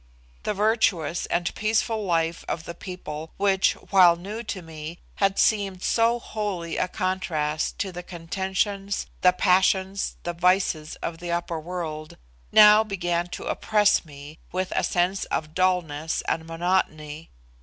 The virtuous and peaceful life of the people which, while new to me, had seemed so holy a contrast to the contentions, the passions, the vices of the upper world, now began to oppress me with a sense of dulness and monotony.